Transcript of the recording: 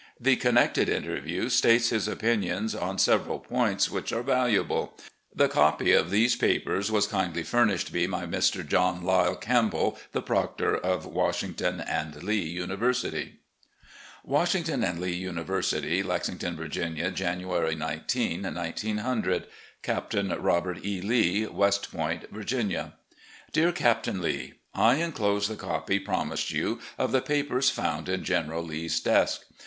The connected interview states his opinions on several points which are valuable. The copy of these papers was kindly furnished me by Mr. John Lyle Campbell, the Proctor of Washington and Lee University: "Washington and Lee University, "Lexington, Virginia, January 19, 1900. "Capt. Robert E. Lee, "West Point, Virginia. "Dear Capt. Lee: I inclose the copy promised you of the papers found in General Lee's desk.